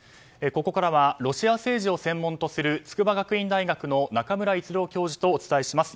ここからはロシア政治を専門とする筑波学院大学の中村逸郎教授とお伝えします。